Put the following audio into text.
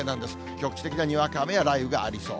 局地的なにわか雨や雷雨がありそう。